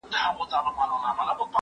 یوه ورځ په دې جرګه کي آوازه سوه